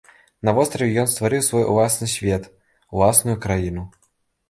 На востраве ён стварыў свой уласны свет, уласную краіну.